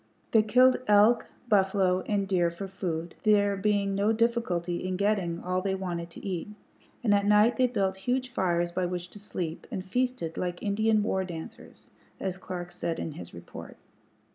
They killed elk, buffalo, and deer for food, there being no difficulty in getting all they wanted to eat; and at night they built huge fires by which to sleep, and feasted "like Indian war dancers," as Clark said in his report.